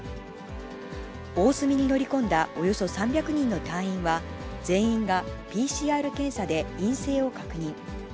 おおすみに乗り込んだおよそ３００人の隊員は、全員がＰＣＲ検査で陰性を確認。